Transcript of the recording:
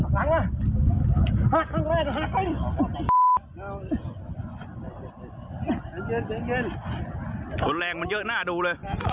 รุนแรงมันเยอะหน้าดูเลย